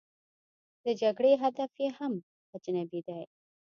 د جګړې هدف یې هم اجنبي دی.